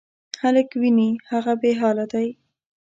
هلک وینې، هغه بېحاله دی.